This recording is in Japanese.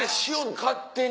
勝手に。